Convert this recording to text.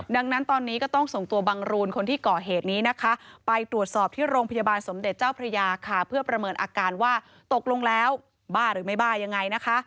ดังนั้นตอนนี้ก็ต้องส่งตัวบังรูนคนที่ก่อเหตุนี้นะคะไปตรวจสอบที่โรงพยาบาลสมเด็จเจ้าพระยาค่ะเพื่อประเมินอาการว่าตกลงแล้วบ้าหรือไม่บ้ายังไงนะคะ